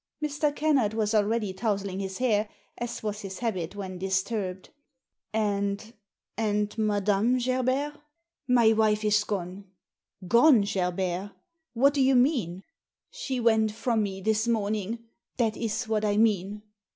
Mr. Kennard was already tousling his hair, as was his habit when disturbed. "And— and Madame Gerbert?" " My wife is gone." " Gone, Gerbert ! what do you mean ?"She went from me this morning — that is what I mean."